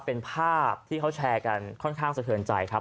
เป็นภาพที่เขาแชร์กันค่อนข้างสะเทินใจครับ